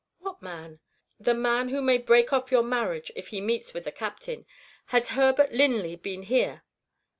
"What man?" "The man who may break off your marriage if he meets with the Captain. Has Herbert Linley been here?"